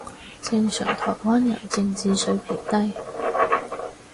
正常台灣人正字水平低